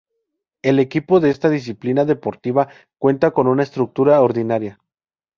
El equipo de esta disciplina deportiva cuenta con una estructura ordinaria.